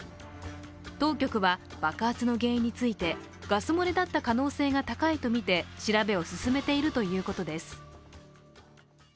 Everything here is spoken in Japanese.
当局は爆発の原因についてガス漏れだった可能性が高いとみて調べを進めているということです。